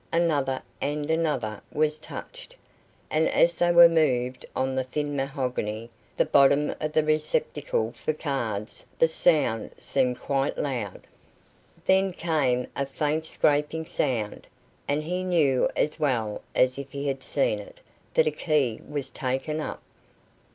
Another and another was touched, and as they were moved on the thin mahogany that formed the bottom of the receptacle for cards the sound seemed quite loud. Then came a faint scraping sound, and he knew as well as if he had seen it, that a key was taken up.